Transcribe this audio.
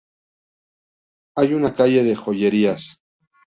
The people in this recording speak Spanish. Hay una calle de joyerías.